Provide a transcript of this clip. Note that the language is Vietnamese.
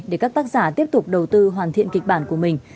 để các tác giả tiếp tục đầu tư hoàn thiện kịch bản của mình